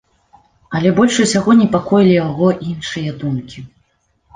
Але больш усяго непакоілі яго іншыя думкі.